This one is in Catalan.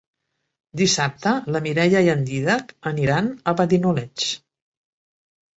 Dissabte na Mireia i en Dídac aniran a Benidoleig.